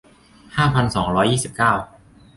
ห้าพันสองร้อยยี่สิบเก้า